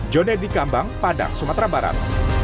jone dikambang padang sumatera barat